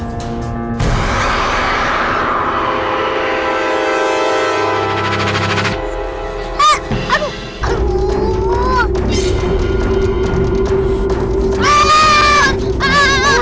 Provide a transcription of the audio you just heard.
eh aduh aduh